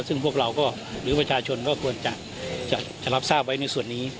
ซึ่งพวกเราก็หรือประชาชนก็ควรจะรับทราบไว้ในส่วนนี้